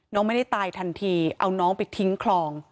ไม่ได้ตายทันทีเอาน้องไปทิ้งคลอง